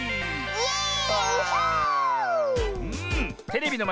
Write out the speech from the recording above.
イエーイ！